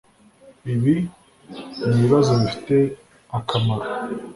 Ibi nibibazo bifite akamaro